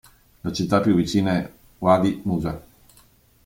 La città più vicina è Wadi Musa.